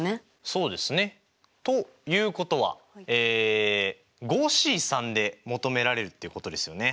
そうですね。ということはＣで求められるっていうことですよね。